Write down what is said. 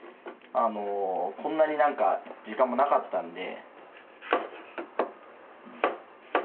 こんなに何か時間もなかったんで。